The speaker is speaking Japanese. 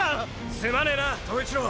すまねーな塔一郎！！